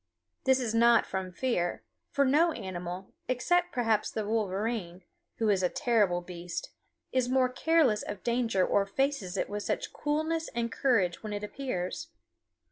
This is not from fear, for no animal, except perhaps the wolverine who is a terrible beast is more careless of danger or faces it with such coolness and courage when it appears.